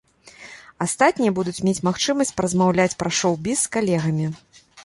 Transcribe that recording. Астатнія будуць мець магчымасць паразмаўляць пра шоў-біз з калегамі.